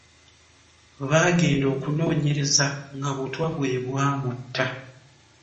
baagenda okunoonyereza nga butwa bwe bwamutta.